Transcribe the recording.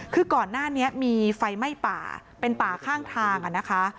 คือก่อนหน้านี้มีไฟไหม้ป่าเป็นป่าข้างทางนะคะ